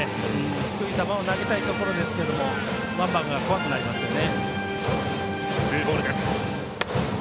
低い球を投げたいところですがワンバンが怖くなりますね。